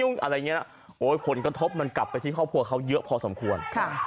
อย่างงี้ผลกระทบกลับไปชิลภาพพ่อเขาเยอะพอสมควร